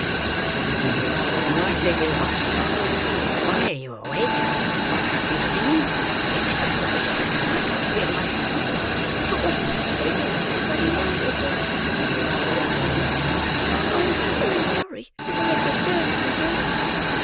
said the Jew. "What do you watch me for? Why are you awake? What have you seen? Speak out, boy! Quick—quick! for your life." "I wasn't able to sleep any longer, sir," replied Oliver, meekly. "I am very sorry if I have disturbed you, sir."